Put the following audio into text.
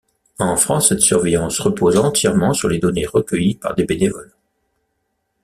En France, cette surveillance repose entièrement sur les données recueillies par des bénévoles.